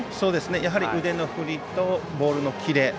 やはり腕の振りとボールのキレ。